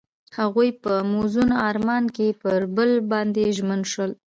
هغوی په موزون آرمان کې پر بل باندې ژمن شول.